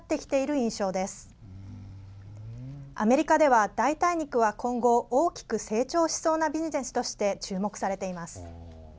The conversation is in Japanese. アメリカでは、代替肉は今後大きく成長しそうなビジネスとして注目されています。